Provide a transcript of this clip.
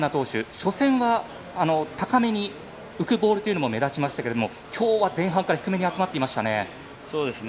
初戦は高めに浮くボールというのも目立ちましたけどもきょうは前半から低めに集まってましたね。